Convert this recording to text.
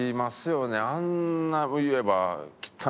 あんな言えば。